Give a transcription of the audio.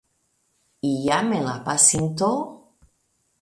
Iam en la pasinto.